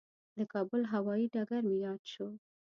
د کابل هوایي ډګر مې یاد شو.